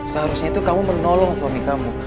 seharusnya itu kamu menolong suami kamu